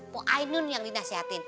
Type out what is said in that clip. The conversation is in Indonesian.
bu ainun yang dinasihatin